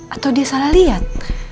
atau dia salah lihat